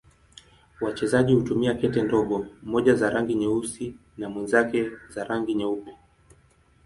Wachezaji hutumia kete ndogo, mmoja za rangi nyeusi na mwenzake za rangi nyeupe.